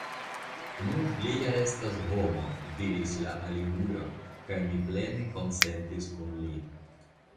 Nu, li ja estas homo, diris la aliulo, kaj mi plene konsentis kun li.